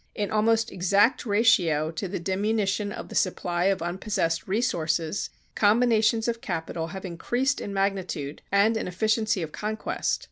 In almost exact ratio to the diminution of the supply of unpossessed resources, combinations of capital have increased in magnitude and in efficiency of conquest.